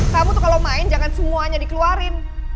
kamu tuh kalau main jangan semuanya dikeluarin